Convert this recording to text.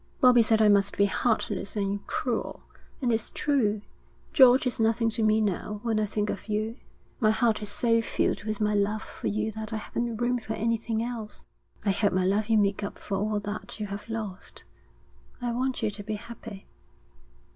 'Bobby said I must be heartless and cruel. And it's true: George is nothing to me now when I think of you. My heart is so filled with my love for you that I haven't room for anything else.' 'I hope my love will make up for all that you have lost. I want you to be happy.'